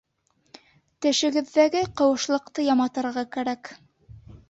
Тешегеҙҙәге ҡыуышлыҡты яматырға кәрәк